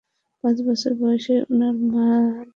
পাঁচ বছর বয়সেই ওনার মা মারা যায়।